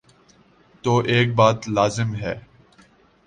تو ایک بات لازم ہے۔